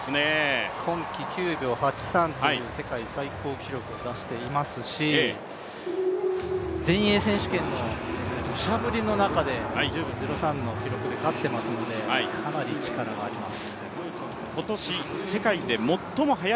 今季９秒８３という世界最高記録を出していますし、全英選手権の土砂降りの中で１０秒０３の記録で勝っていますので、かなり力があります。